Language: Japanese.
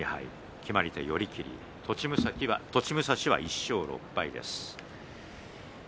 決まり手は寄り切り栃武蔵は１勝６敗です。